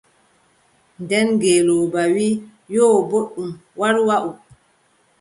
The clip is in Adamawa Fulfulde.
Nde ngeelooba wii :« yo, booɗɗum war waʼu. ».